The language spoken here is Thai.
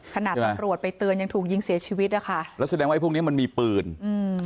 ตำรวจไปเตือนยังถูกยิงเสียชีวิตนะคะแล้วแสดงว่าไอพวกเนี้ยมันมีปืนอืม